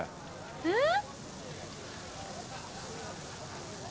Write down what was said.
えっ？